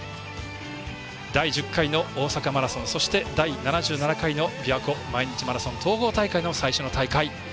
第１０回の大阪マラソンそして第７７回びわ湖毎日マラソン統合大会の最初の大会。